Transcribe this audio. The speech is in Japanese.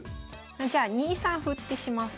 じゃあ２三歩ってします